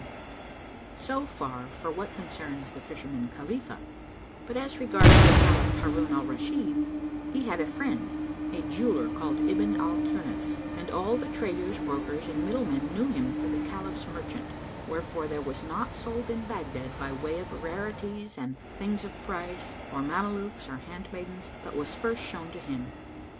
[FN#214] So far for what concerns the Fisherman Khalifah; but as regards the Caliph Harun al Rashid, he had a friend, a jeweller called Ibn al Kirnás, [FN#215] and all the traders, brokers and middle men knew him for the Caliph's merchant; wherefore there was naught sold in Baghdad, by way of rarities and things of price or Mamelukes or handmaidens, but was first shown to him.